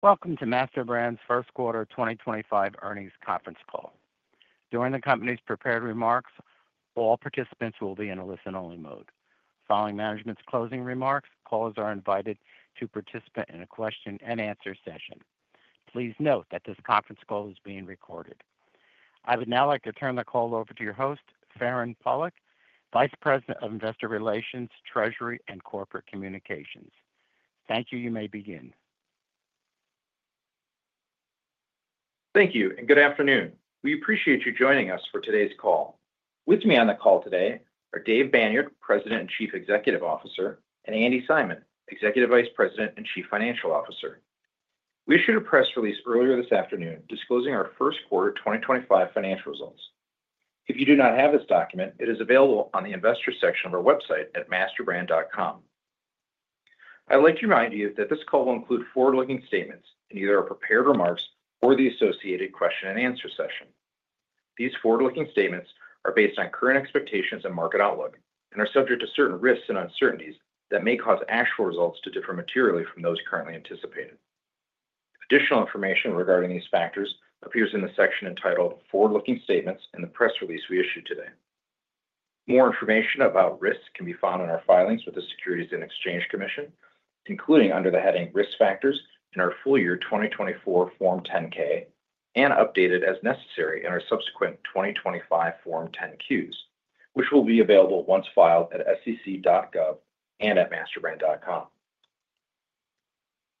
Welcome to MasterBrand's first quarter 2025 earnings conference call. During the company's prepared remarks, all participants will be in a listen-only mode. Following management's closing remarks, callers are invited to participate in a question-and-answer session. Please note that this conference call is being recorded. I would now like to turn the call over to your host, Farand Pawlak, Vice President of Investor Relations, Treasury and Corporate Communications. Thank you. You may begin. Thank you and good afternoon. We appreciate you joining us for today's call. With me on the call today are Dave Banyard, President and Chief Executive Officer, and Andi Simon, Executive Vice President and Chief Financial Officer. We issued a press release earlier this afternoon disclosing our first quarter 2025 financial results. If you do not have this document, it is available on the investor section of our website at masterbrand.com. I would like to remind you that this call will include forward-looking statements in either our prepared remarks or the associated question-and-answer session. These forward-looking statements are based on current expectations and market outlook and are subject to certain risks and uncertainties that may cause actual results to differ materially from those currently anticipated. Additional information regarding these factors appears in the section entitled Forward-Looking Statements in the press release we issued today. More information about risks can be found in our filings with the Securities and Exchange Commission, including under the heading Risk Factors in our full year 2024 Form 10-K and updated as necessary in our subsequent 2025 Form 10-Qs, which will be available once filed at sec.gov and at masterbrand.com.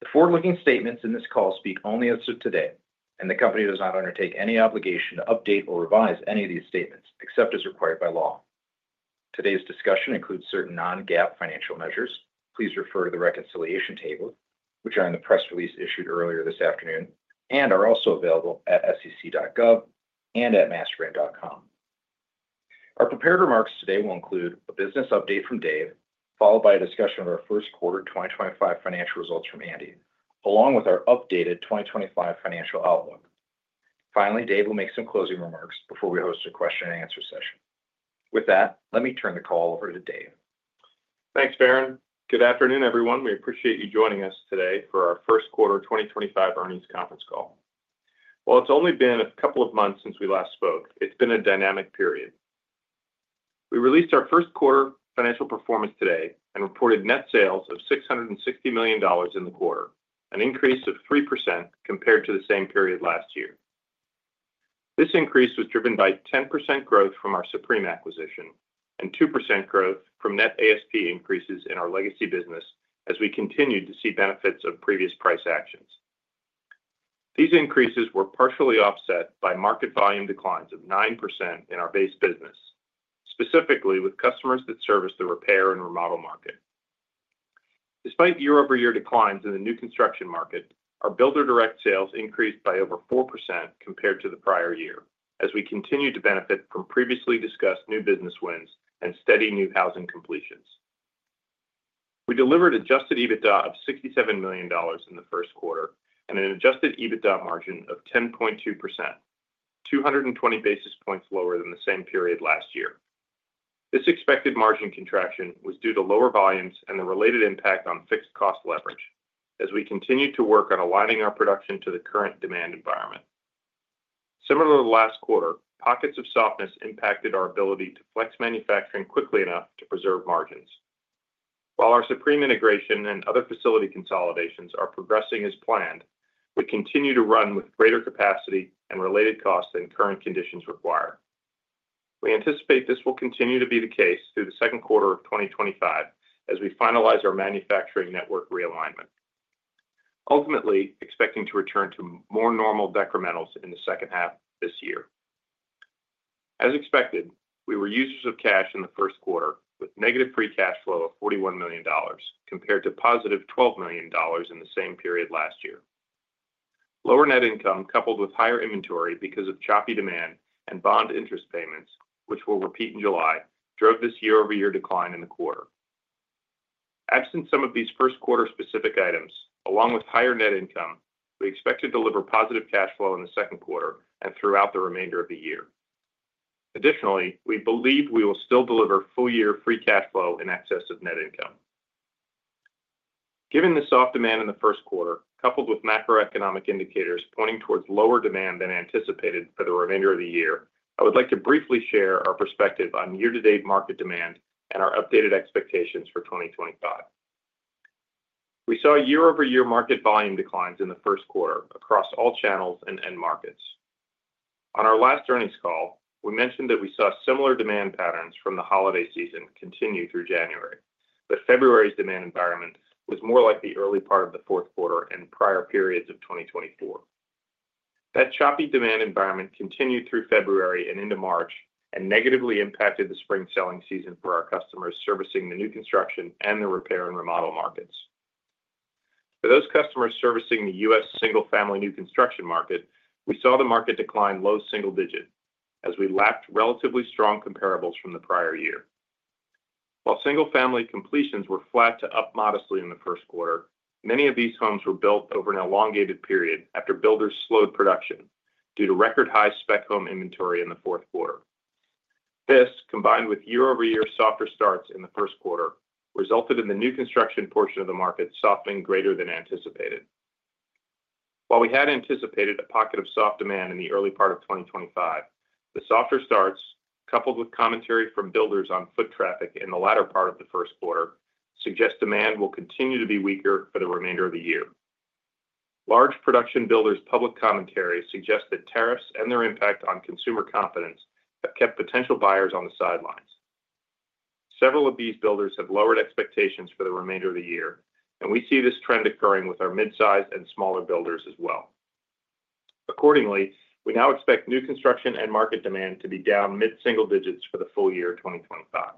The forward-looking statements in this call speak only as of today, and the company does not undertake any obligation to update or revise any of these statements except as required by law. Today's discussion includes certain non-GAAP financial measures. Please refer to the reconciliation table, which are in the press release issued earlier this afternoon and are also available at sec.gov and at masterbrand.com. Our prepared remarks today will include a business update from Dave, followed by a discussion of our first quarter 2025 financial results from Andi, along with our updated 2025 financial outlook. Finally, Dave will make some closing remarks before we host a question-and-answer session. With that, let me turn the call over to Dave. Thanks, Farand. Good afternoon, everyone. We appreciate you joining us today for our first quarter 2025 earnings conference call. While it's only been a couple of months since we last spoke, it's been a dynamic period. We released our first quarter financial performance today and reported net sales of $660 million in the quarter, an increase of 3% compared to the same period last year. This increase was driven by 10% growth from our Supreme acquisition and 2% growth from net ASP increases in our legacy business as we continued to see benefits of previous price actions. These increases were partially offset by market volume declines of 9% in our base business, specifically with customers that service the repair and remodel market. Despite year-over-year declines in the new construction market, our builder direct sales increased by over 4% compared to the prior year as we continue to benefit from previously discussed new business wins and steady new housing completions. We delivered adjusted EBITDA of $67 million in the first quarter and an adjusted EBITDA margin of 10.2%, 220 basis points lower than the same period last year. This expected margin contraction was due to lower volumes and the related impact on fixed cost leverage as we continue to work on aligning our production to the current demand environment. Similar to last quarter, pockets of softness impacted our ability to flex manufacturing quickly enough to preserve margins. While our Supreme integration and other facility consolidations are progressing as planned, we continue to run with greater capacity and related costs than current conditions require. We anticipate this will continue to be the case through the second quarter of 2025 as we finalize our manufacturing network realignment, ultimately expecting to return to more normal decrementals in the second half of this year. As expected, we were users of cash in the first quarter with free cash flow of -$41 million compared to +$12 million in the same period last year. Lower net income coupled with higher inventory because of choppy demand and bond interest payments, which will repeat in July, drove this year-over-year decline in the quarter. Absent some of these first quarter specific items, along with higher net income, we expect to deliver positive cash flow in the second quarter and throughout the remainder of the year. Additionally, we believe we will still deliver full-year free cash flow in excess of net income. Given the soft demand in the first quarter, coupled with macroeconomic indicators pointing towards lower demand than anticipated for the remainder of the year, I would like to briefly share our perspective on year-to-date market demand and our updated expectations for 2025. We saw year-over-year market volume declines in the first quarter across all channels and end markets. On our last earnings call, we mentioned that we saw similar demand patterns from the holiday season continue through January, but February's demand environment was more like the early part of the fourth quarter and prior periods of 2024. That choppy demand environment continued through February and into March and negatively impacted the spring selling season for our customers servicing the new construction and the repair and remodel markets. For those customers servicing the U.S. Single-family new construction market, we saw the market decline low single-digit as we lacked relatively strong comparables from the prior year. While single-family completions were flat to up modestly in the first quarter, many of these homes were built over an elongated period after builders slowed production due to record-high spec home inventory in the fourth quarter. This, combined with year-over-year softer starts in the first quarter, resulted in the new construction portion of the market softening greater than anticipated. While we had anticipated a pocket of soft demand in the early part of 2025, the softer starts, coupled with commentary from builders on foot traffic in the latter part of the first quarter, suggest demand will continue to be weaker for the remainder of the year. Large production builders' public commentary suggests that tariffs and their impact on consumer confidence have kept potential buyers on the sidelines. Several of these builders have lowered expectations for the remainder of the year, and we see this trend occurring with our mid-sized and smaller builders as well. Accordingly, we now expect new construction and market demand to be down mid-single digits for the full year 2025.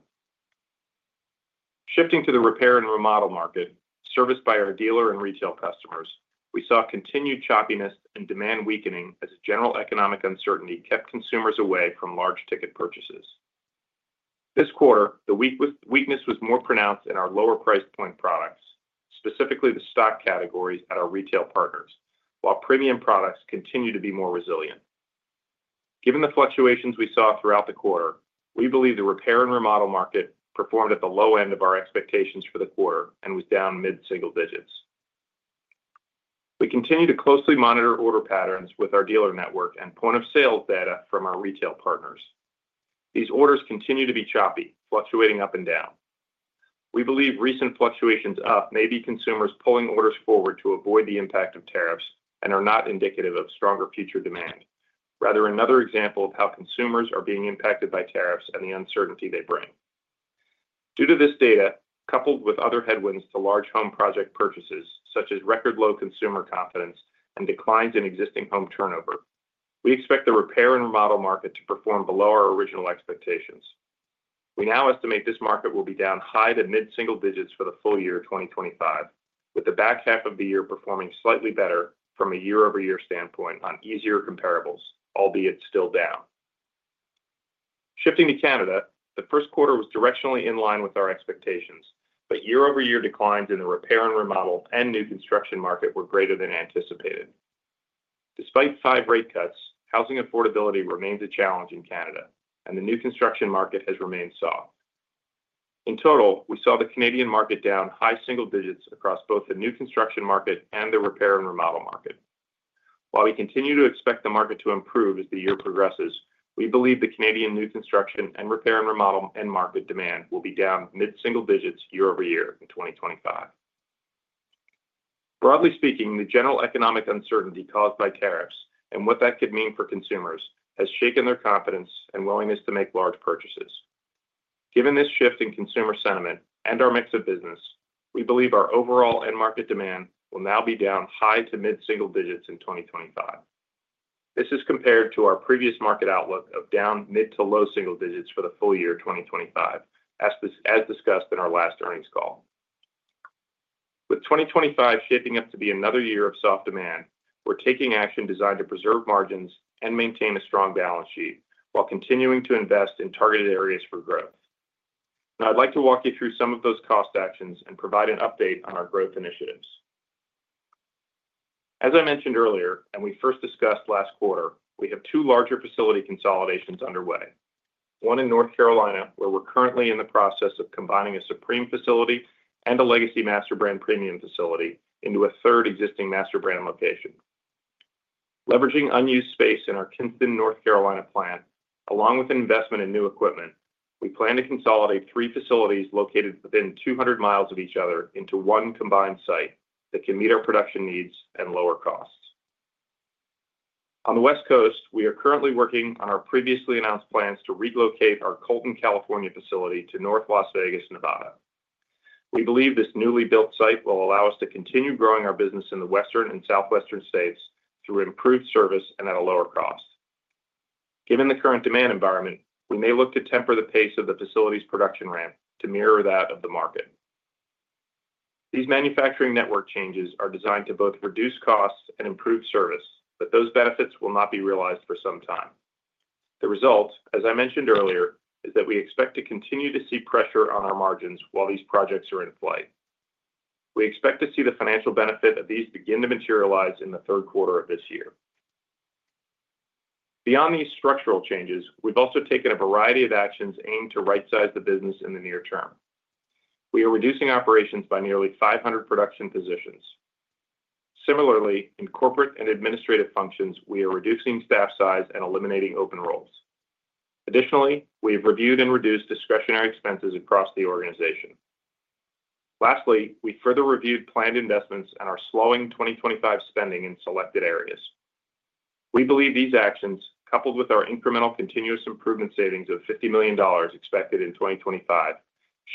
Shifting to the repair and remodel market, serviced by our dealer and retail customers, we saw a continued choppiness and demand weakening as general economic uncertainty kept consumers away from large ticket purchases. This quarter, the weakness was more pronounced in our lower price point products, specifically the stock categories at our retail partners, while premium products continued to be more resilient. Given the fluctuations we saw throughout the quarter, we believe the repair and remodel market performed at the low end of our expectations for the quarter and was down mid-single digits. We continue to closely monitor order patterns with our dealer network and point-of-sale data from our retail partners. These orders continue to be choppy, fluctuating up and down. We believe recent fluctuations up may be consumers pulling orders forward to avoid the impact of tariffs and are not indicative of stronger future demand, rather another example of how consumers are being impacted by tariffs and the uncertainty they bring. Due to this data, coupled with other headwinds to large home project purchases such as record-low consumer confidence and declines in existing home turnover, we expect the repair and remodel market to perform below our original expectations. We now estimate this market will be down high to mid-single digits for the full year 2025, with the back half of the year performing slightly better from a year-over-year standpoint on easier comparables, albeit still down. Shifting to Canada, the first quarter was directionally in line with our expectations, but year-over-year declines in the repair and remodel and new construction market were greater than anticipated. Despite five rate cuts, housing affordability remains a challenge in Canada, and the new construction market has remained soft. In total, we saw the Canadian market down high single digits across both the new construction market and the repair and remodel market. While we continue to expect the market to improve as the year progresses, we believe the Canadian new construction and repair and remodel end market demand will be down mid-single digits year-over-year in 2025. Broadly speaking, the general economic uncertainty caused by tariffs and what that could mean for consumers has shaken their confidence and willingness to make large purchases. Given this shift in consumer sentiment and our mix of business, we believe our overall end market demand will now be down high to mid-single digits in 2025. This is compared to our previous market outlook of down mid to low single digits for the full year 2025, as discussed in our last earnings call. With 2025 shaping up to be another year of soft demand, we're taking action designed to preserve margins and maintain a strong balance sheet while continuing to invest in targeted areas for growth. Now, I'd like to walk you through some of those cost actions and provide an update on our growth initiatives. As I mentioned earlier, and we first discussed last quarter, we have two larger facility consolidations underway, one in North Carolina where we're currently in the process of combining a Supreme facility and a legacy MasterBrand Premium facility into a third existing MasterBrand location. Leveraging unused space in our Kinston, North Carolina plant, along with investment in new equipment, we plan to consolidate three facilities located within 200 mi of each other into one combined site that can meet our production needs and lower costs. On the West Coast, we are currently working on our previously announced plans to relocate our Colton, California facility to North Las Vegas, Nevada. We believe this newly built site will allow us to continue growing our business in the western and southwestern states through improved service and at a lower cost. Given the current demand environment, we may look to temper the pace of the facility's production ramp to mirror that of the market. These manufacturing network changes are designed to both reduce costs and improve service, but those benefits will not be realized for some time. The result, as I mentioned earlier, is that we expect to continue to see pressure on our margins while these projects are in flight. We expect to see the financial benefit of these begin to materialize in the third quarter of this year. Beyond these structural changes, we've also taken a variety of actions aimed to right-size the business in the near term. We are reducing operations by nearly 500 production positions. Similarly, in corporate and administrative functions, we are reducing staff size and eliminating open roles. Additionally, we have reviewed and reduced discretionary expenses across the organization. Lastly, we further reviewed planned investments and are slowing 2025 spending in selected areas. We believe these actions, coupled with our incremental continuous improvement savings of $50 million expected in 2025,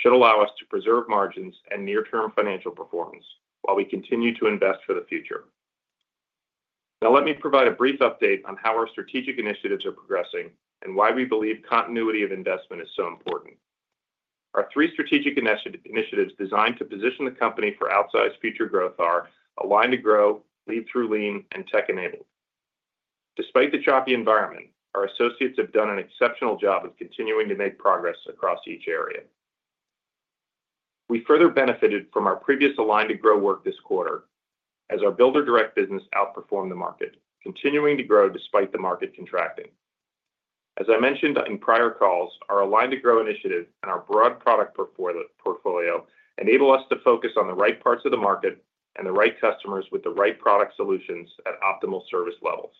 should allow us to preserve margins and near-term financial performance while we continue to invest for the future. Now, let me provide a brief update on how our strategic initiatives are progressing and why we believe continuity of investment is so important. Our three strategic initiatives designed to position the company for outsized future growth are Align to Grow, Lead Through Lean, and Tech Enabled. Despite the choppy environment, our associates have done an exceptional job of continuing to make progress across each area. We further benefited from our previous Align to Grow work this quarter as our builder direct business outperformed the market, continuing to grow despite the market contracting. As I mentioned in prior calls, our Align to Grow initiative and our broad product portfolio enable us to focus on the right parts of the market and the right customers with the right product solutions at optimal service levels.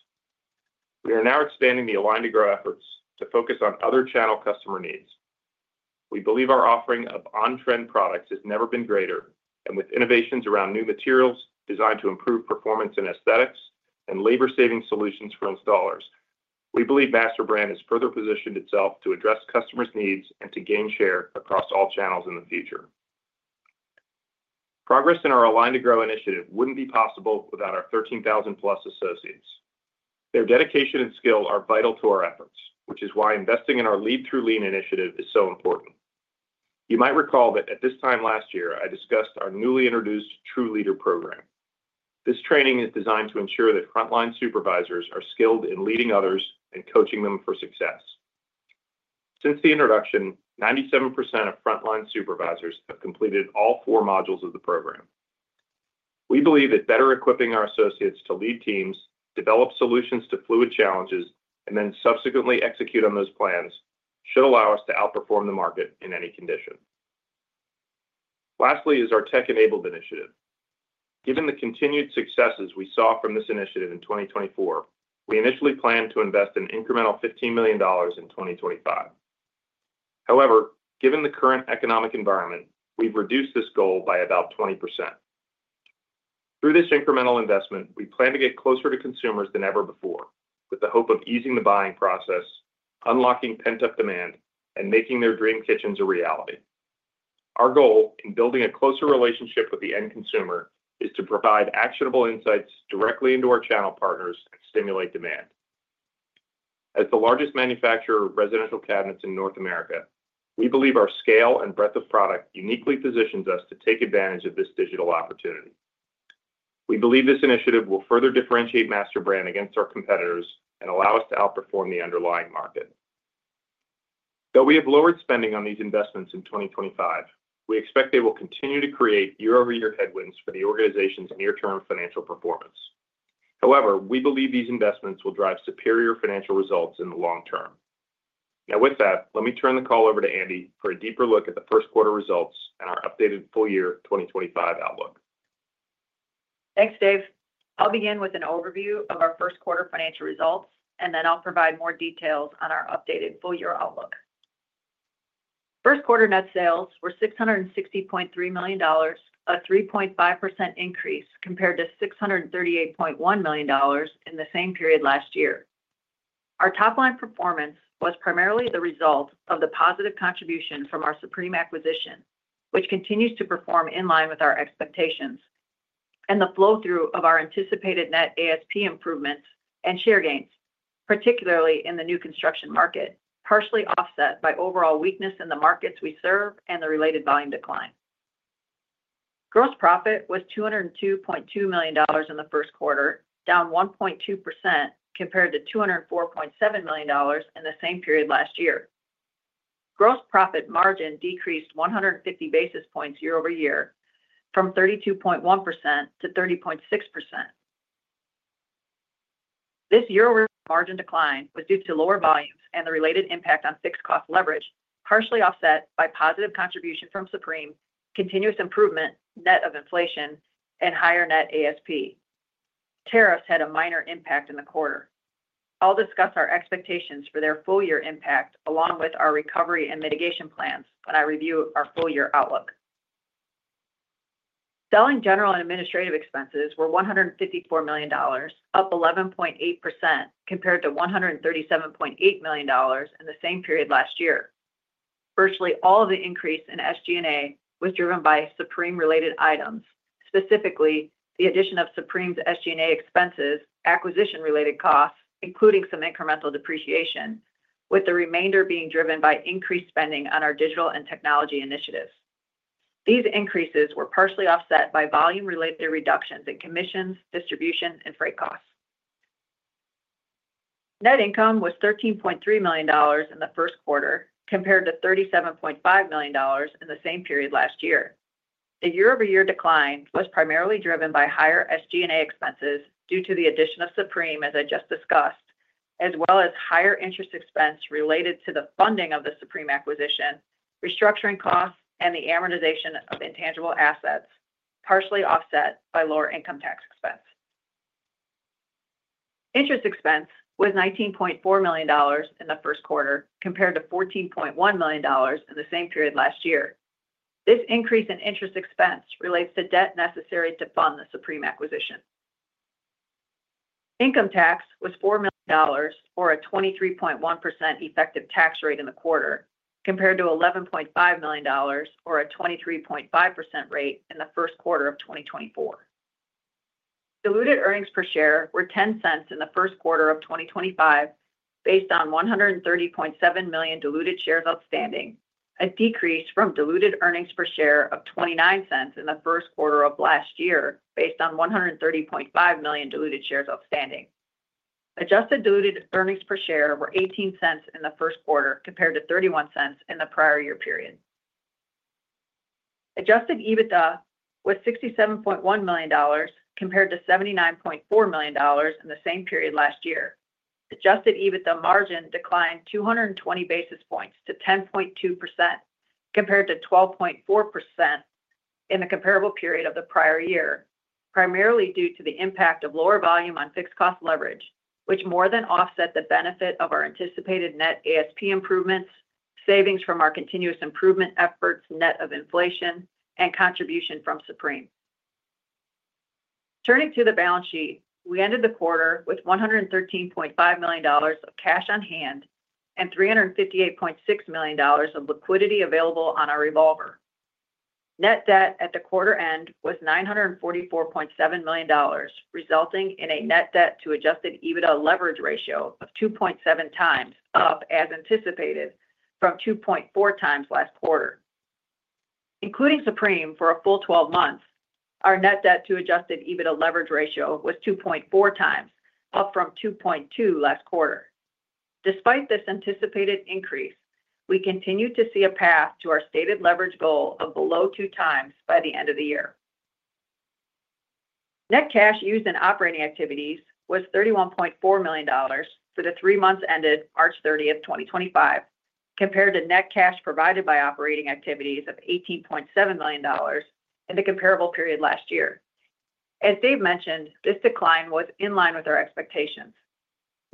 We are now expanding the Align to Grow efforts to focus on other channel customer needs. We believe our offering of on-trend products has never been greater, and with innovations around new materials designed to improve performance and aesthetics and labor-saving solutions for installers, we believe MasterBrand has further positioned itself to address customers' needs and to gain share across all channels in the future. Progress in our Align to Grow initiative wouldn't be possible without our +13,000 associates. Their dedication and skill are vital to our efforts, which is why investing in our Lead Through Lean initiative is so important. You might recall that at this time last year, I discussed our newly introduced True Leader program. This training is designed to ensure that frontline supervisors are skilled in leading others and coaching them for success. Since the introduction, 97% of frontline supervisors have completed all four modules of the program. We believe that better equipping our associates to lead teams, develop solutions to fluid challenges, and then subsequently execute on those plans should allow us to outperform the market in any condition. Lastly is our Tech Enabled initiative. Given the continued successes we saw from this initiative in 2024, we initially planned to invest an incremental $15 million in 2025. However, given the current economic environment, we've reduced this goal by about 20%. Through this incremental investment, we plan to get closer to consumers than ever before, with the hope of easing the buying process, unlocking pent-up demand, and making their dream kitchens a reality. Our goal in building a closer relationship with the end consumer is to provide actionable insights directly into our channel partners and stimulate demand. As the largest manufacturer of residential cabinets in North America, we believe our scale and breadth of product uniquely positions us to take advantage of this digital opportunity. We believe this initiative will further differentiate MasterBrand against our competitors and allow us to outperform the underlying market. Though we have lowered spending on these investments in 2025, we expect they will continue to create year-over-year headwinds for the organization's near-term financial performance. However, we believe these investments will drive superior financial results in the long term. Now, with that, let me turn the call over to Andi for a deeper look at the first quarter results and our updated full year 2025 outlook. Thanks, Dave. I'll begin with an overview of our first quarter financial results, and then I'll provide more details on our updated full year outlook. First quarter net sales were $660.3 million, a 3.5% increase compared to $638.1 million in the same period last year. Our top-line performance was primarily the result of the positive contribution from our Supreme acquisition, which continues to perform in line with our expectations, and the flow-through of our anticipated net ASP improvements and share gains, particularly in the new construction market, partially offset by overall weakness in the markets we serve and the related volume decline. Gross profit was $202.2 million in the first quarter, down 1.2% compared to $204.7 million in the same period last year. Gross profit margin decreased 150 basis points year-over-year from 32.1%-30.6%. This year-over-year margin decline was due to lower volumes and the related impact on fixed cost leverage, partially offset by positive contribution from Supreme, continuous improvement, net of inflation, and higher net ASP. Tariffs had a minor impact in the quarter. I'll discuss our expectations for their full year impact along with our recovery and mitigation plans when I review our full year outlook. Selling, general, and administrative expenses were $154 million, up 11.8% compared to $137.8 million in the same period last year. Virtually all of the increase in SG&A was driven by Supreme-related items, specifically the addition of Supreme's SG&A expenses, acquisition-related costs, including some incremental depreciation, with the remainder being driven by increased spending on our digital and technology initiatives. These increases were partially offset by volume-related reductions in commissions, distribution, and freight costs. Net income was $13.3 million in the first quarter compared to $37.5 million in the same period last year. The year-over-year decline was primarily driven by higher SG&A expenses due to the addition of Supreme, as I just discussed, as well as higher interest expense related to the funding of the Supreme acquisition, restructuring costs, and the amortization of intangible assets, partially offset by lower income tax expense. Interest expense was $19.4 million in the first quarter compared to $14.1 million in the same period last year. This increase in interest expense relates to debt necessary to fund the Supreme acquisition. Income tax was $4 million or a 23.1% effective tax rate in the quarter compared to $11.5 million or a 23.5% rate in the first quarter of 2024. Diluted earnings per share were $0.10 in the first quarter of 2025 based on 130.7 million diluted shares outstanding, a decrease from diluted earnings per share of $0.29 in the first quarter of last year based on 130.5 million diluted shares outstanding. Adjusted diluted earnings per share were $0.18 in the first quarter compared to $0.31 in the prior year period. Adjusted EBITDA was $67.1 million compared to $79.4 million in the same period last year. Adjusted EBITDA margin declined 220 basis points to 10.2% compared to 12.4% in the comparable period of the prior year, primarily due to the impact of lower volume on fixed cost leverage, which more than offset the benefit of our anticipated net ASP improvements, savings from our continuous improvement efforts, net of inflation, and contribution from Supreme. Turning to the balance sheet, we ended the quarter with $113.5 million of cash on hand and $358.6 million of liquidity available on our revolver. Net debt at the quarter end was $944.7 million, resulting in a net debt-to-adjusted EBITDA leverage ratio of 2.7x, up as anticipated from 2.4x last quarter. Including Supreme for a full 12 months, our net debt-to-adjusted EBITDA leverage ratio was 2.4x, up from 2.2x last quarter. Despite this anticipated increase, we continue to see a path to our stated leverage goal of below 2x by the end of the year. Net cash used in operating activities was $31.4 million for the three months ended March 30th, 2025, compared to net cash provided by operating activities of $18.7 million in the comparable period last year. As Dave mentioned, this decline was in line with our expectations.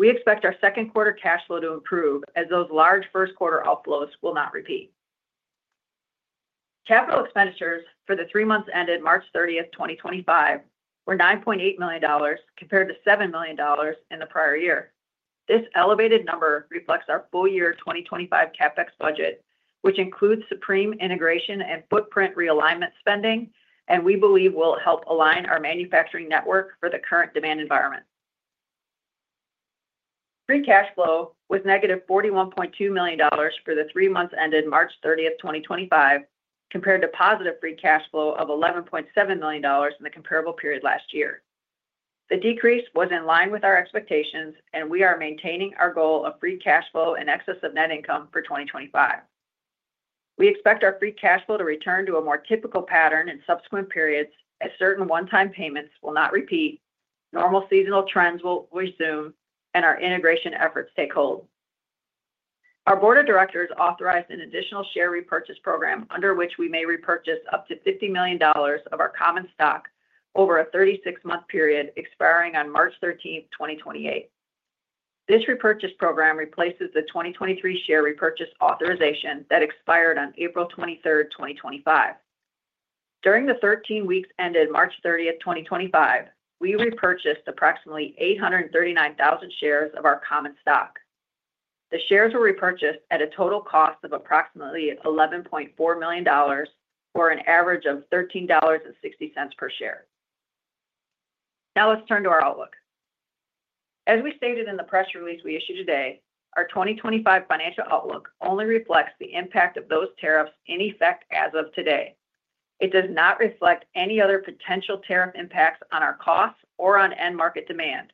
We expect our second quarter cash flow to improve as those large first quarter outflows will not repeat. Capital expenditures for the three months ended March 30th, 2025, were $9.8 million compared to $7 million in the prior year. This elevated number reflects our full year 2025 CapEx budget, which includes Supreme integration and footprint realignment spending, and we believe will help align our manufacturing network for the current demand environment. Free cash flow was -$41.2 million for the three months ended March 30th, 2025, compared to free cash flow of +$11.7 million in the comparable period last year. The decrease was in line with our expectations, and we are maintaining our goal of free cash flow in excess of net income for 2025. We expect our free cash flow to return to a more typical pattern in subsequent periods as certain one-time payments will not repeat, normal seasonal trends will resume, and our integration efforts take hold. Our Board of Directors authorized an additional share repurchase program under which we may repurchase up to $50 million of our common stock over a 36-month period expiring on March 13th, 2028. This repurchase program replaces the 2023 share repurchase authorization that expired on April 23rd, 2025. During the 13 weeks ended March 30th, 2025, we repurchased approximately 839,000 shares of our common stock. The shares were repurchased at a total cost of approximately $11.4 million for an average of $13.60 per share. Now, let's turn to our outlook. As we stated in the press release we issued today, our 2025 financial outlook only reflects the impact of those tariffs in effect as of today. It does not reflect any other potential tariff impacts on our costs or on end market demand.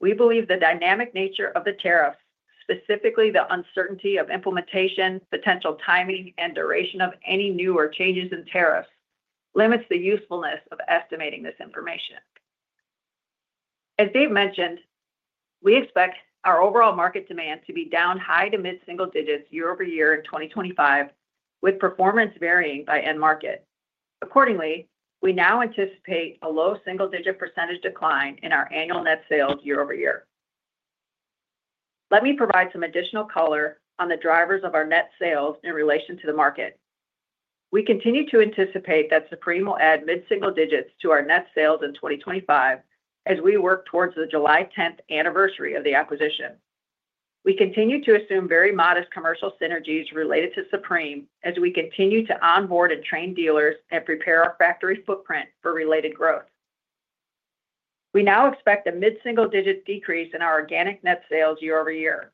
We believe the dynamic nature of the tariffs, specifically the uncertainty of implementation, potential timing, and duration of any new or changes in tariffs, limits the usefulness of estimating this information. As Dave mentioned, we expect our overall market demand to be down high to mid-single digits year-over-year in 2025, with performance varying by end market. Accordingly, we now anticipate a low single-digit percentage decline in our annual net sales year-over-year. Let me provide some additional color on the drivers of our net sales in relation to the market. We continue to anticipate that Supreme will add mid-single digits to our net sales in 2025 as we work towards the July 10th anniversary of the acquisition. We continue to assume very modest commercial synergies related to Supreme as we continue to onboard and train dealers and prepare our factory footprint for related growth. We now expect a mid-single digit decrease in our organic net sales year-over-year,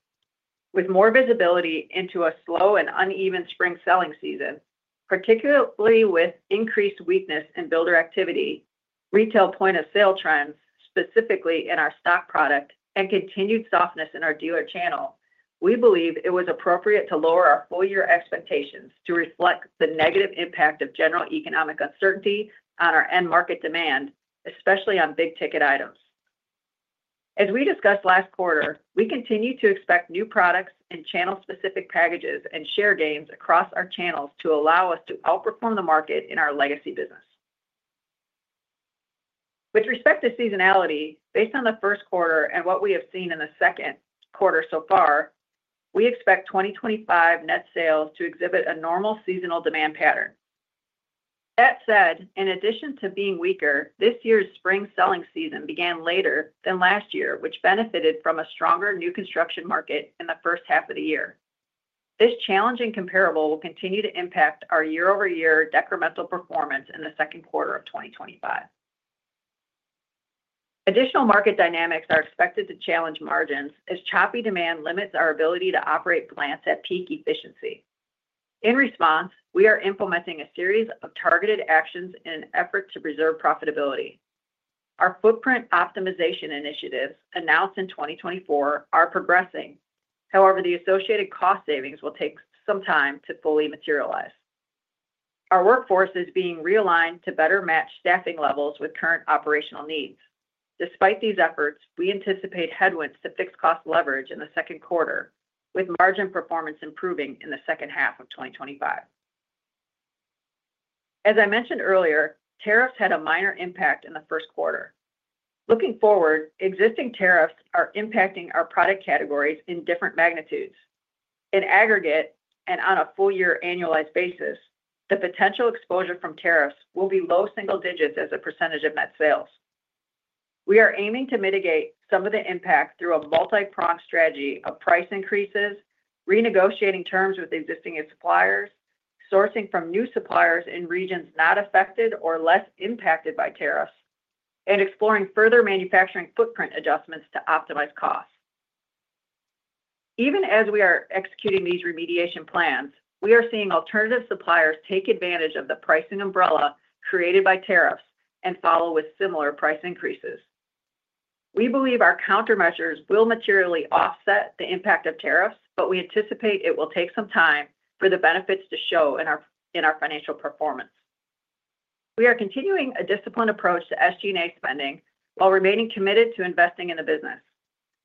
with more visibility into a slow and uneven spring selling season, particularly with increased weakness in builder activity, retail point-of-sale trends, specifically in our stock product, and continued softness in our dealer channel. We believe it was appropriate to lower our full year expectations to reflect the negative impact of general economic uncertainty on our end market demand, especially on big-ticket items. As we discussed last quarter, we continue to expect new products and channel-specific packages and share gains across our channels to allow us to outperform the market in our legacy business. With respect to seasonality, based on the first quarter and what we have seen in the second quarter so far, we expect 2025 net sales to exhibit a normal seasonal demand pattern. That said, in addition to being weaker, this year's spring selling season began later than last year, which benefited from a stronger new construction market in the first half of the year. This challenge and comparable will continue to impact our year-over-year decremental performance in the second quarter of 2025. Additional market dynamics are expected to challenge margins as choppy demand limits our ability to operate plants at peak efficiency. In response, we are implementing a series of targeted actions in an effort to preserve profitability. Our footprint optimization initiatives announced in 2024 are progressing. However, the associated cost savings will take some time to fully materialize. Our workforce is being realigned to better match staffing levels with current operational needs. Despite these efforts, we anticipate headwinds to fixed cost leverage in the second quarter, with margin performance improving in the second half of 2025. As I mentioned earlier, tariffs had a minor impact in the first quarter. Looking forward, existing tariffs are impacting our product categories in different magnitudes. In aggregate and on a full-year annualized basis, the potential exposure from tariffs will be low single digits as a percentage of net sales. We are aiming to mitigate some of the impact through a multi-pronged strategy of price increases, renegotiating terms with existing suppliers, sourcing from new suppliers in regions not affected or less impacted by tariffs, and exploring further manufacturing footprint adjustments to optimize costs. Even as we are executing these remediation plans, we are seeing alternative suppliers take advantage of the pricing umbrella created by tariffs and follow with similar price increases. We believe our countermeasures will materially offset the impact of tariffs, but we anticipate it will take some time for the benefits to show in our financial performance. We are continuing a disciplined approach to SG&A spending while remaining committed to investing in the business.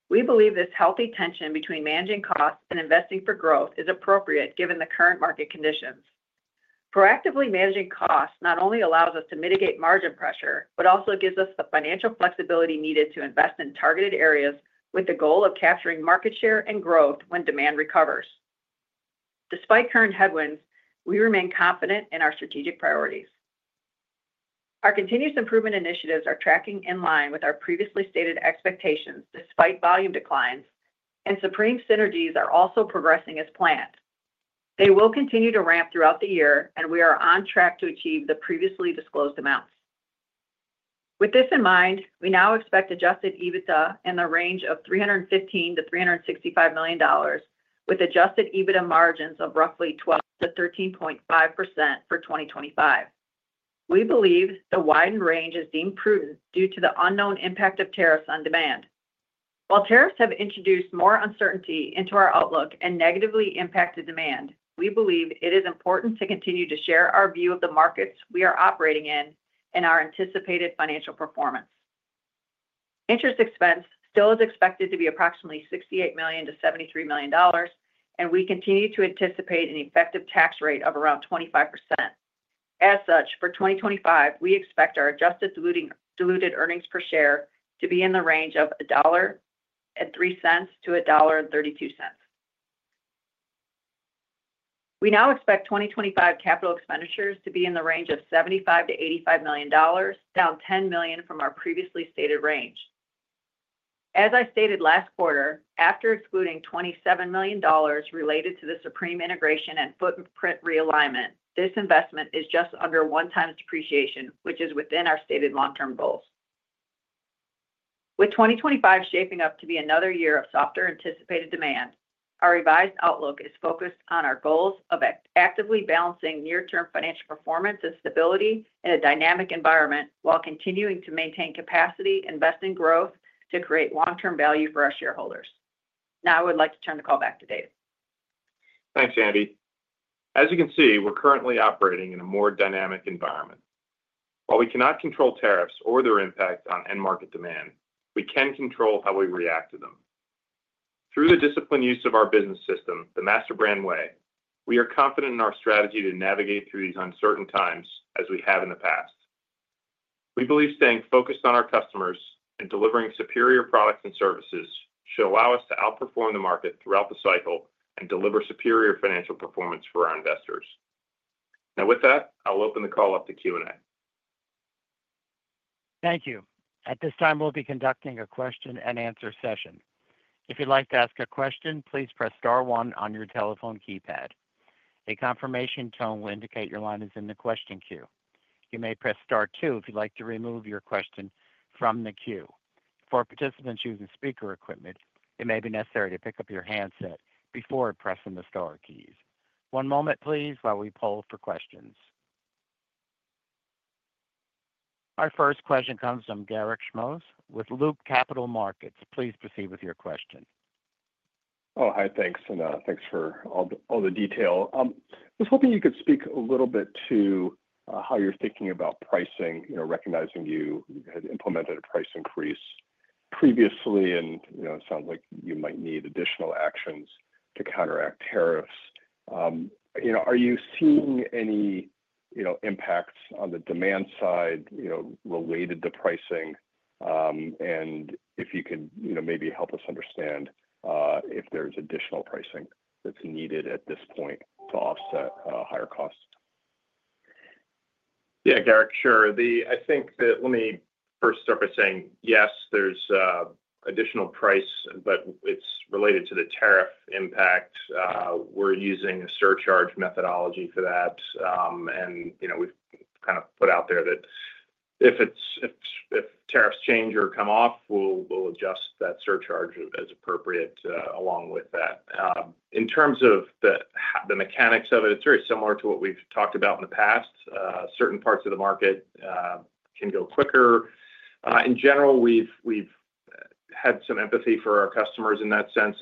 We believe this healthy tension between managing costs and investing for growth is appropriate given the current market conditions. Proactively managing costs not only allows us to mitigate margin pressure, but also gives us the financial flexibility needed to invest in targeted areas with the goal of capturing market share and growth when demand recovers. Despite current headwinds, we remain confident in our strategic priorities. Our continuous improvement initiatives are tracking in line with our previously stated expectations despite volume declines, and Supreme synergies are also progressing as planned. They will continue to ramp throughout the year, and we are on track to achieve the previously disclosed amounts. With this in mind, we now expect adjusted EBITDA in the range of $315 million-$365 million, with adjusted EBITDA margins of roughly 12%-13.5% for 2025. We believe the widened range is deemed prudent due to the unknown impact of tariffs on demand. While tariffs have introduced more uncertainty into our outlook and negatively impacted demand, we believe it is important to continue to share our view of the markets we are operating in and our anticipated financial performance. Interest expense still is expected to be approximately $68 million-$73 million, and we continue to anticipate an effective tax rate of around 25%. As such, for 2025, we expect our adjusted diluted earnings per share to be in the range of $1.03-$1.32. We now expect 2025 capital expenditures to be in the range of $75 million-$85 million, down $10 million from our previously stated range. As I stated last quarter, after excluding $27 million related to the Supreme integration and footprint realignment, this investment is just under one-time depreciation, which is within our stated long-term goals. With 2025 shaping up to be another year of softer anticipated demand, our revised outlook is focused on our goals of actively balancing near-term financial performance and stability in a dynamic environment while continuing to maintain capacity, invest in growth to create long-term value for our shareholders. Now, I would like to turn the call back to Dave. Thanks, Andi. As you can see, we're currently operating in a more dynamic environment. While we cannot control tariffs or their impact on end market demand, we can control how we react to them. Through the disciplined use of our business system, the MasterBrand Way, we are confident in our strategy to navigate through these uncertain times as we have in the past. We believe staying focused on our customers and delivering superior products and services should allow us to outperform the market throughout the cycle and deliver superior financial performance for our investors. Now, with that, I'll open the call up to Q&A. Thank you. At this time, we'll be conducting a question-and-answer session. If you'd like to ask a question, please press star one on your telephone keypad. A confirmation tone will indicate your line is in the question queue. You may press star two if you'd like to remove your question from the queue. For participants using speaker equipment, it may be necessary to pick up your handset before pressing the star keys. One moment, please, while we poll for questions. Our first question comes from Garik Shmois with Loop Capital Markets. Please proceed with your question. Oh, hi. Thanks. And thanks for all the detail. I was hoping you could speak a little bit to how you're thinking about pricing, recognizing you had implemented a price increase previously, and it sounds like you might need additional actions to counteract tariffs. Are you seeing any impacts on the demand side related to pricing? And if you could maybe help us understand if there's additional pricing that's needed at this point to offset higher costs. Yeah, Garik, sure. I think that let me first start by saying, yes, there's additional price, but it's related to the tariff impact. We're using a surcharge methodology for that. We have kind of put out there that if tariffs change or come off, we will adjust that surcharge as appropriate along with that. In terms of the mechanics of it, it is very similar to what we have talked about in the past. Certain parts of the market can go quicker. In general, we've had some empathy for our customers in that sense.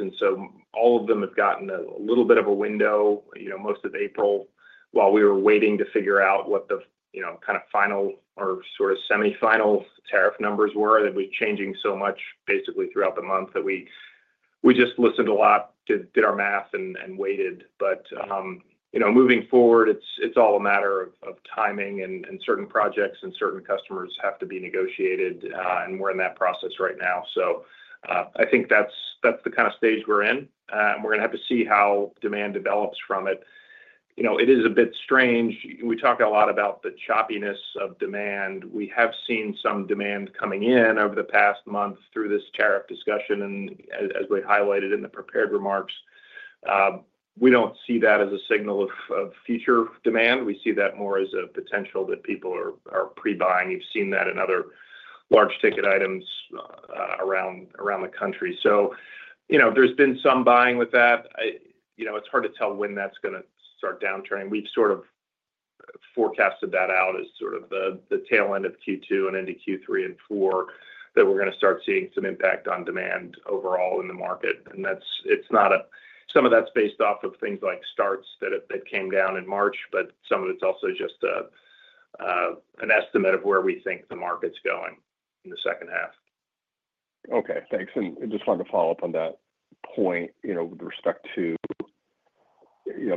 All of them have gotten a little bit of a window, most of April, while we were waiting to figure out what the kind of final or sort of semi-final tariff numbers were. It was changing so much basically throughout the month that we just listened a lot, did our math, and waited. Moving forward, it is all a matter of timing, and certain projects and certain customers have to be negotiated. We are in that process right now. I think that's the kind of stage we're in. We're going to have to see how demand develops from it. It is a bit strange. We talked a lot about the choppiness of demand. We have seen some demand coming in over the past month through this tariff discussion. As we highlighted in the prepared remarks, we don't see that as a signal of future demand. We see that more as a potential that people are pre-buying. You've seen that in other large-ticket items around the country. There's been some buying with that. It's hard to tell when that's going to start downturning. We've sort of forecasted that out as the tail end of Q2 and into Q3 and Q4 that we're going to start seeing some impact on demand overall in the market. Some of that's based off of things like starts that came down in March, but some of it's also just an estimate of where we think the market's going in the second half. Okay. Thanks. I just wanted to follow up on that point with respect to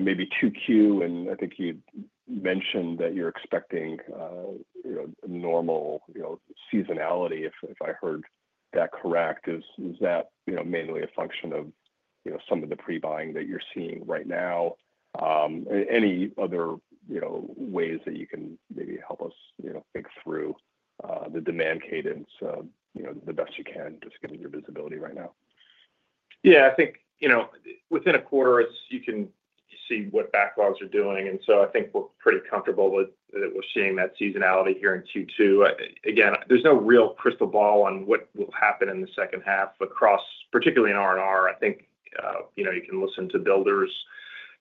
maybe Q2. I think you mentioned that you're expecting normal seasonality, if I heard that correct. Is that mainly a function of some of the pre-buying that you're seeing right now? Any other ways that you can maybe help us think through the demand cadence the best you can, just given your visibility right now? Yeah. I think within a quarter, you can see what backlogs are doing. I think we're pretty comfortable that seeing that seasonality here in Q2. Again, there's no real crystal ball on what will happen in the second half across, particularly in R&R. I think you can listen to builders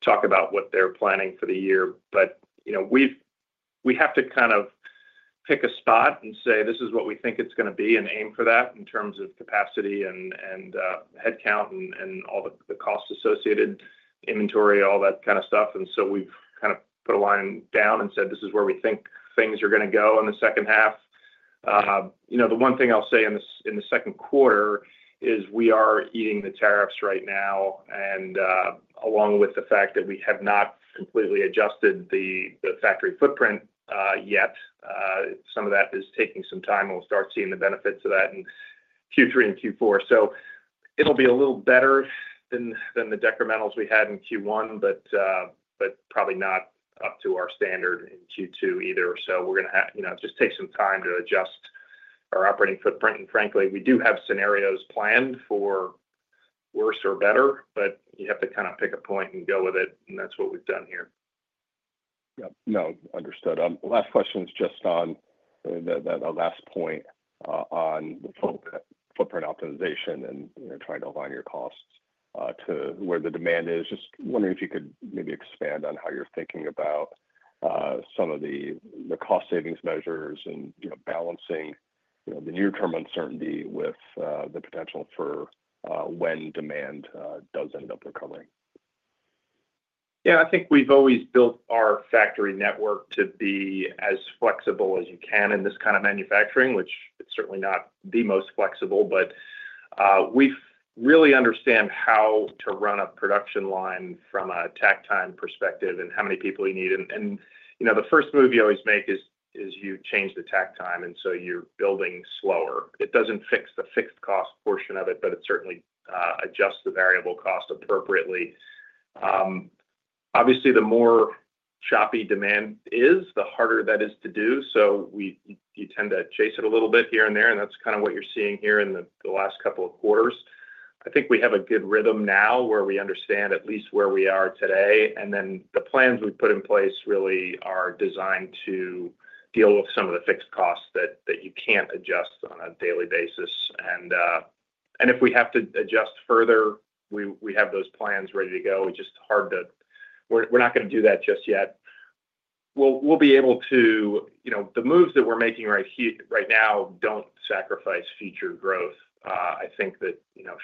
talk about what they're planning for the year. We have to kind of pick a spot and say, "This is what we think it's going to be," and aim for that in terms of capacity and headcount and all the cost-associated inventory, all that kind of stuff. We've kind of put a line down and said, "This is where we think things are going to go in the second half." The one thing I'll say in the second quarter is we are eating the tariffs right now. Along with the fact that we have not completely adjusted the factory footprint yet, some of that is taking some time. We'll start seeing the benefits of that in Q3 and Q4. It'll be a little better than the decrementals we had in Q1, but probably not up to our standard in Q2 either. We're going to just take some time to adjust our operating footprint. Frankly, we do have scenarios planned for worse or better, but you have to kind of pick a point and go with it. That's what we've done here. Yes. No, understood. Last question is just on the last point on the footprint optimization and trying to align your costs to where the demand is. Just wondering if you could maybe expand on how you're thinking about some of the cost-savings measures and balancing the near-term uncertainty with the potential for when demand does end up recovering. Yeah. I think we've always built our factory network to be as flexible as you can in this kind of manufacturing, which is certainly not the most flexible. But we really understand how to run our production line from a tack time perspective and how many people you need. The first move you always make is you change the tack time. And so you're building slower. It doesn't fix the fixed cost portion of it, but it certainly adjusts the variable cost appropriately. Obviously, the more choppy demand is, the harder that is to do. You tend to chase it a little bit here and there. That's kind of what you're seeing here in the last couple of quarters. I think we have a good rhythm now where we understand at least where we are today. The plans we have put in place really are designed to deal with some of the fixed costs that you can't adjust on a daily basis. If we have to adjust further, we have those plans ready to go. It's just hard to, we are not going to do that just yet. We'll be able to, the moves that we are making right now don't sacrifice future growth. I think that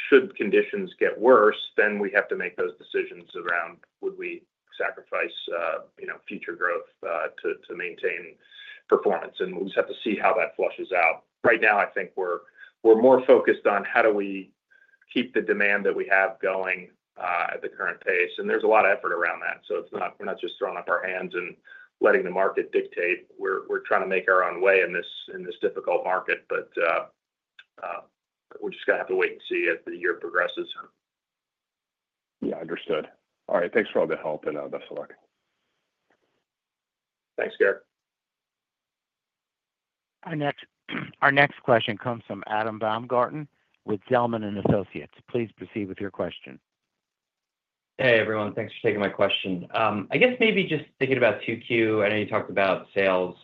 should conditions get worse, then we have to make those decisions around would we sacrifice future growth to maintain performance. We just have to see how that flushes out. Right now, I think we are more focused on how do we keep the demand that we have going at the current pace. There is a lot of effort around that. We are not just throwing up our hands and letting the market dictate. We're trying to make our own way in this difficult market. We're just going to have to wait and see as the year progresses. Yeah, understood. All right. Thanks for all the help, and best of luck. Thanks, Garik. Our next question comes from Adam Baumgarten with Zelman & Associates. Please proceed with your question. Hey, everyone. Thanks for taking my question. I guess maybe just thinking about 2Q, I know you talked about sales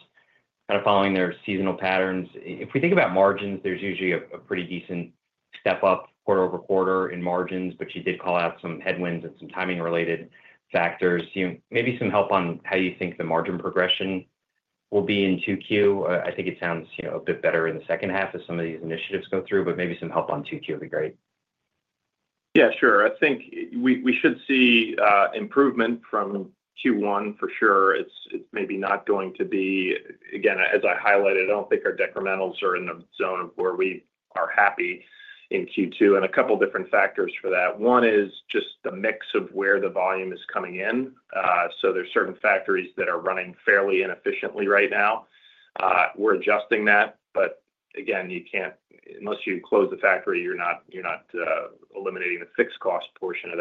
kind of following their seasonal patterns. If we think about margins, there's usually a pretty decent step up quarter over quarter in margins, but you did call out some headwinds and some timing-related factors. Maybe some help on how you think the margin progression will be in 2Q. I think it sounds a bit better in the second half as some of these initiatives go through, but maybe some help on 2Q would be great. Yeah, sure. I think we should see improvement from Q1 for sure. It's maybe not going to be, again, as I highlighted, I don't think our decrementals are in the zone of where we are happy in Q2. A couple of different factors for that. One is just the mix of where the volume is coming in. There are certain factories that are running fairly inefficiently right now. We're adjusting that. Again, unless you close the factory, you're not eliminating the fixed cost portion of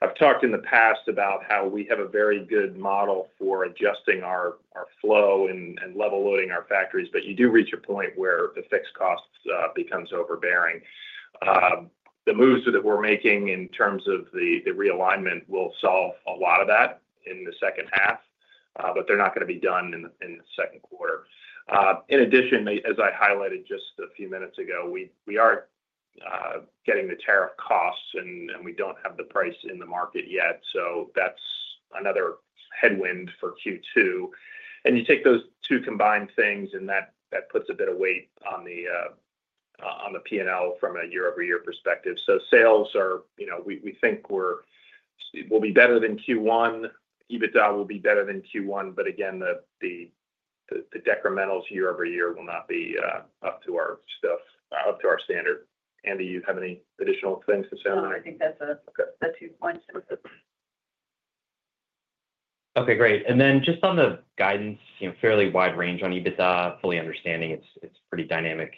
that. I've talked in the past about how we have a very good model for adjusting our flow and level loading our factories, but you do reach a point where the fixed cost becomes overbearing. The moves that we're making in terms of the realignment will solve a lot of that in the second half, but they're not going to be done in the second quarter. In addition, as I highlighted just a few minutes ago, we are getting the tariff costs, and we don't have the price in the market yet. That's another headwind for Q2. You take those two combined things, and that puts a bit of weight on the P&L from a year-over-year perspective. Sales are, we think we'll be better than Q1. EBITDA will be better than Q1. Again, the decrementals year-over-year will not be up to our stuff, up to our standard. Andi, do you have any additional things to say on that? No, I think that's the two points. Okay. Great. Just on the guidance, fairly wide range on EBITDA, fully understanding it's a pretty dynamic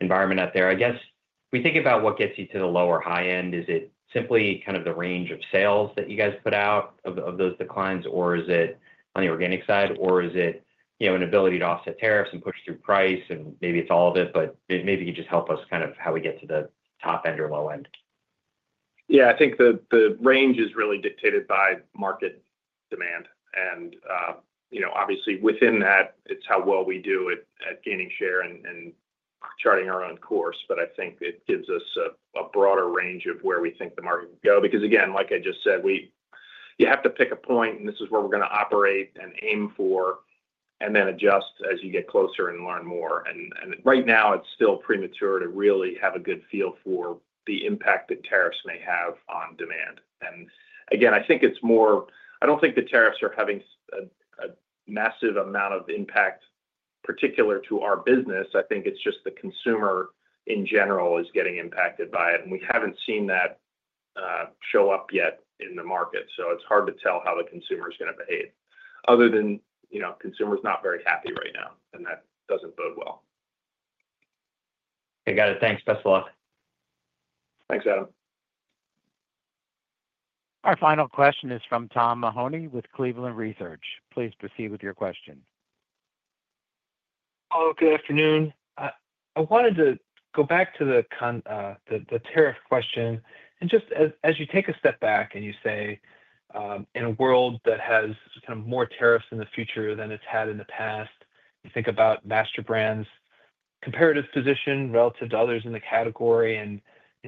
environment out there. I guess if we think about what gets you to the lower high end, is it simply kind of the range of sales that you guys put out of those declines, or is it on the organic side, or is it an ability to offset tariffs and push through price? Maybe it's all of it, but maybe you could just help us kind of how we get to the top end or low end. Yeah. I think the range is really dictated by market demand. Obviously, within that, it's how well we do at gaining share and charting our own course. I think it gives us a broader range of where we think the market can go. Because again, like I just said, you have to pick a point, and this is where we're going to operate and aim for, and then adjust as you get closer and learn more. Right now, it's still premature to really have a good feel for the impact that tariffs may have on demand. I think it's more, I don't think the tariffs are having a massive amount of impact, particular to our business. I think it's just the consumer in general is getting impacted by it. We haven't seen that show up yet in the market. It's hard to tell how the consumer is going to behave other than consumer is not very happy right now, and that doesn't bode well. I got it. Thanks. Best of luck. Thanks, Adam. Our final question is from Tom Mahoney with Cleveland Research. Please proceed with your question. Hello. Good afternoon. I wanted to go back to the tariff question. Just as you take a step back and you say, in a world that has kind of more tariffs in the future than it's had in the past, you think about MasterBrand's comparative position relative to others in the category, and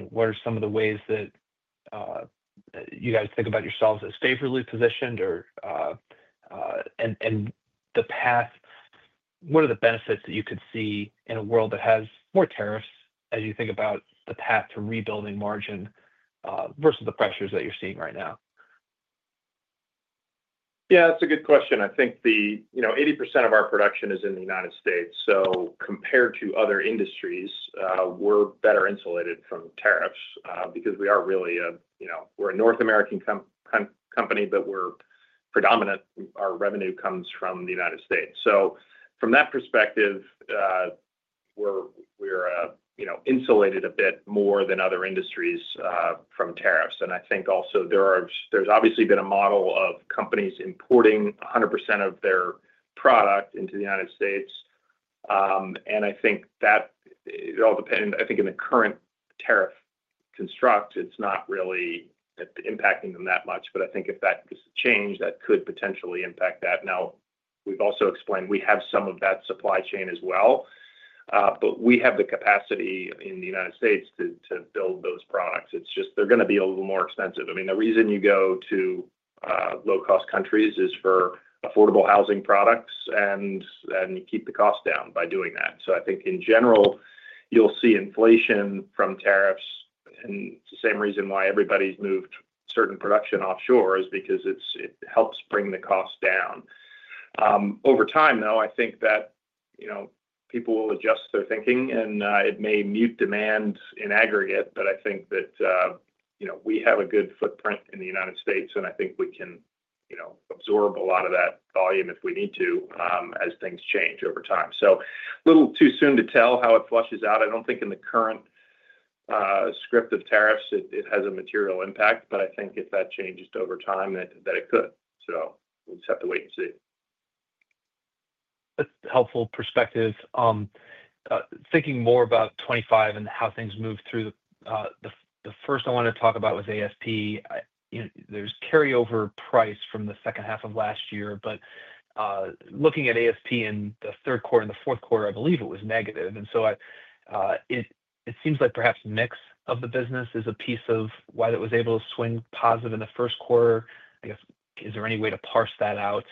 what are some of the ways that you guys think about yourselves as favorably positioned and the path? What are the benefits that you could see in a world that has more tariffs as you think about the path to rebuilding margin versus the pressures that you're seeing right now? Yeah, that's a good question. I think 80% of our production is in the United States. So compared to other industries, we're better insulated from tariffs because we are really a, we're a North American company, but our revenue comes from the United States. From that perspective, we're insulated a bit more than other industries from tariffs. I think also there's obviously been a model of companies importing 100% of their product into the United States. I think that it all depends. I think in the current tariff construct, it's not really impacting them that much. I think if that changed, that could potentially impact that now. We've also explained we have some of that supply chain as well. We have the capacity in the United States to build those products. It's just they're going to be a little more expensive. I mean, the reason you go to low-cost countries is for affordable housing products, and you keep the cost down by doing that. I think in general, you'll see inflation from tariffs. It's the same reason why everybody's moved certain production offshore is because it helps bring the cost down. Over time, though, I think that people will adjust their thinking, and it may mute demand in aggregate. I think that we have a good footprint in the United States, and I think we can absorb a lot of that volume if we need to as things change over time. A little too soon to tell how it flushes out. I don't think in the current script of tariffs it has a material impact, but I think if that changed over time that it could. We just have to wait and see. That's a helpful perspective. Thinking more about 2025 and how things move through, the first I wanted to talk about was ASP. There's carryover price from the second half of last year. Looking at ASP in the third quarter and the fourth quarter, I believe it was negative. It seems like perhaps mix of the business is a piece of why that was able to swing positive in the first quarter. I guess, is there any way to parse that out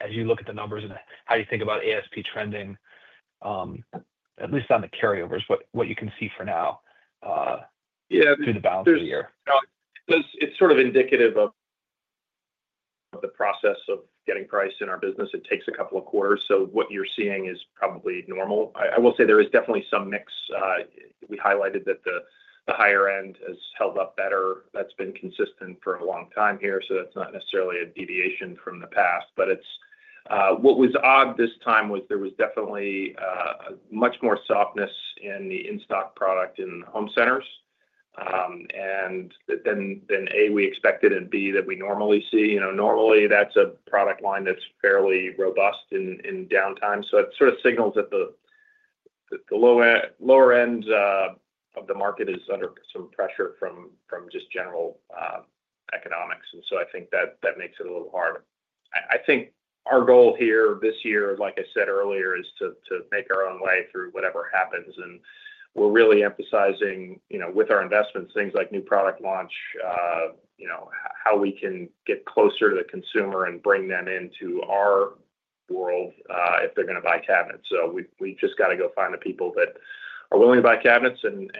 as you look at the numbers and how you think about ASP trending, at least on the carryovers, what you can see for now through the balance of the year? It's sort of indicative of the process of getting price in our business. It takes a couple of quarters. What you're seeing is probably normal. I will say there is definitely some mix. We highlighted that the higher end has held up better. That's been consistent for a long time here. That's not necessarily a deviation from the past. What was odd this time was there was definitely much more softness in the in-stock product in home centers. A, we expected it, and B, that we normally see. Normally, that's a product line that's fairly robust in downtime. It sort of signals that the lower end of the market is under some pressure from just general economics. I think that makes it a little harder. I think our goal here this year, like I said earlier, is to make our own way through whatever happens. We're really emphasizing with our investments, things like new product launch, how we can get closer to the consumer and bring them into our world if they're going to buy cabinets. We've just got to go find the people that are willing to buy cabinets and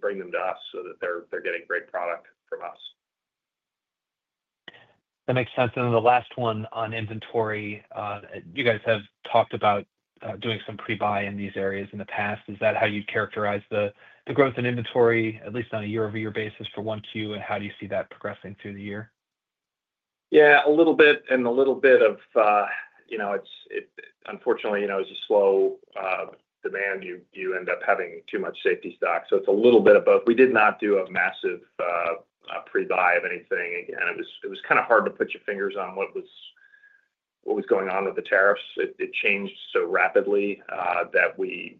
bring them to us so that they're getting great product from us. That makes sense. Then the last one on inventory, you guys have talked about doing some pre-buy in these areas in the past. Is that how you'd characterize the growth in inventory, at least on a year-over-year basis for 1Q? How do you see that progressing through the year? Yeah, a little bit and a little bit of, unfortunately, as you slow demand, you end up having too much safety stock. So it's a little bit of both. We did not do a massive pre-buy of anything. It was kind of hard to put your fingers on what was going on with the tariffs. It changed so rapidly that we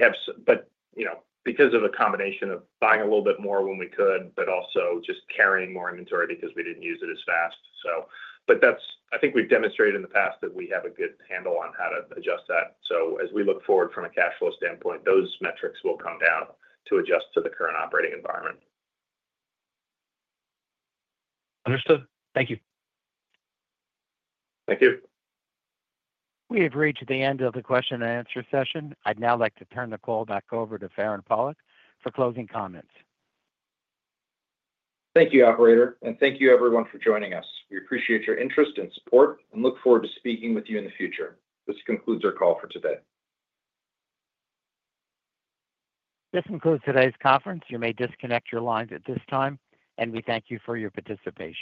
have, but because of a combination of buying a little bit more when we could, but also just carrying more inventory because we didn't use it as fast. I think we have demonstrated in the past that we have a good handle on how to adjust that. As we look forward from a cash flow standpoint, those metrics will come down to adjust to the current operating environment. Understood. Thank you. Thank you. We have reached the end of the question-and-answer session. I'd now like to turn the call back over to Farand Pawlak for closing comments. Thank you, Operator, and thank you, everyone, for joining us. We appreciate your interest and support and look forward to speaking with you in the future. This concludes our call for today. This concludes today's conference. You may disconnect your lines at this time. We thank you for your participation.